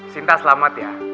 sinta selamat ya